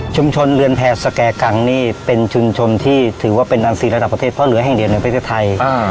เรือนแพรสแก่กังนี่เป็นชุมชนที่ถือว่าเป็นอันซีระดับประเทศเพราะเหลือแห่งเดียวในประเทศไทย